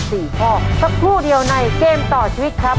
สี่ข้อสักครู่เดียวในเกมต่อชีวิตครับ